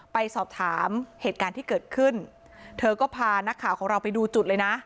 ไปสอบถามเหตุการณ์ที่เกิดขึ้นเธอก็พานักข่าวของเราไปดูจุดเลยนะ